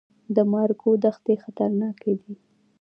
د مارګو دښتې خطرناکې دي؟